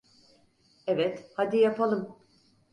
Evet, hadi yapalım.